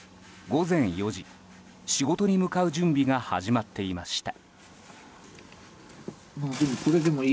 午前４時、仕事に向かう準備が始まっていました。